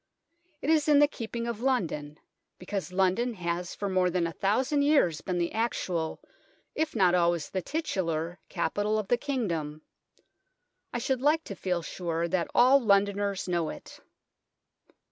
It is in the keeping of London, because London has for more than a thousand years been the actual, if not always the titular, capital of the kingdom. I should like to feel sure that all Londoners know it.